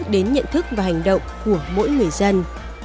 đến nhận thức và hành động của mỗi người dân